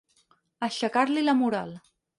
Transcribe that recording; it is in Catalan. Aixecar-li la moral.